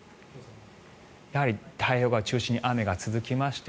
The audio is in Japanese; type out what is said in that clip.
やはり太平洋側を中心に雨が続きまして